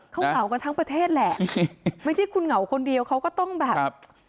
เขาเหงากันทั้งประเทศแหละไม่ใช่คุณเหงาคนเดียวเขาก็ต้องแบบ